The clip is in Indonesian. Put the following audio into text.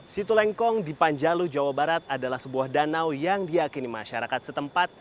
situ lengkong di panjalu jawa barat adalah sebuah danau yang diakini masyarakat setempat